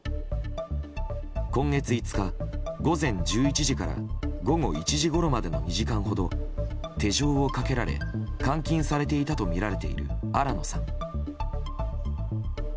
今月５日午前１１時から午後１時ごろまでの２時間ほど手錠をかけられ監禁されていたとみられている新野さん。